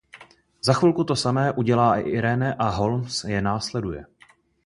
Za chvilku to samé udělá i Irene a Holmes je následuje.